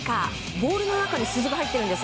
ボールの中に鈴が入っているんです。